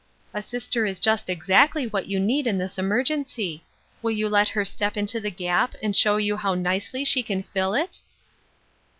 A sister is just exactly what you need in this emergency. Will you let her step into the gap and show you how nicely she can fill it?